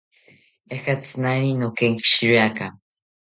Ejatzi naari nokenkishiriaka